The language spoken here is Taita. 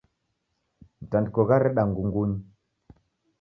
Mtandiko ghareda ngungunyi.